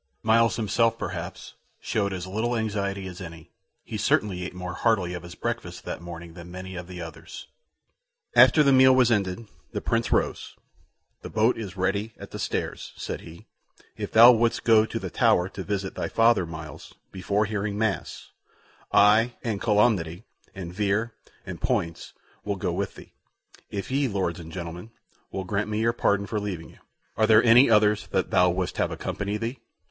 Myles himself, perhaps, showed as little anxiety as any; he certainly ate more heartily of his breakfast that morning than many of the others. After the meal was ended, the Prince rose. "The boat is ready at the stairs," said he; "if thou wouldst go to the Tower to visit thy father, Myles, before hearing mass, I and Cholmondeley and Vere and Poins will go with thee, if ye, Lords and gentlemen, will grant me your pardon for leaving you. Are there any others that thou wouldst have accompany thee?"